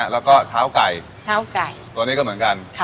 แล้วก็เท้าไก่เท้าไก่ตัวนี้ก็เหมือนกัน